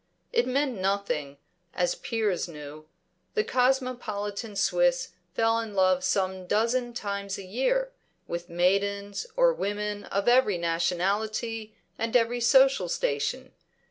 It meant nothing, as Piers knew. The cosmopolitan Swiss fell in love some dozen times a year, with maidens or women of every nationality and every social station.